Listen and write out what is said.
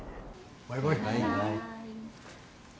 バイバイ。